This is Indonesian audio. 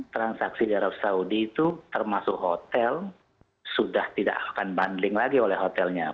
transaksi di arab saudi itu termasuk hotel sudah tidak akan banding lagi oleh hotelnya